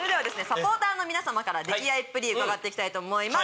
サポーターの皆さまから溺愛っぷり伺っていきたいと思います。